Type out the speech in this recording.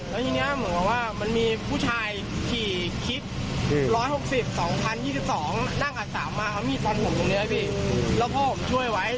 ในนี้เหมือนกับมันมีผู้ชายขี่คิท๑๖๐๒๒๒